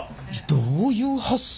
どういう発想？